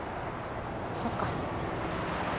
そっか。